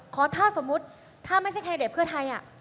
ถ้าสมมุติถ้าไม่ใช่แคนดิเดตเพื่อไทย